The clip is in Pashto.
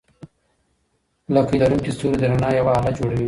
لکۍ لرونکي ستوري د رڼا یوه هاله جوړوي.